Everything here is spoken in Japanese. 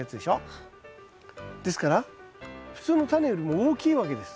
ですから普通のタネよりも大きいわけです。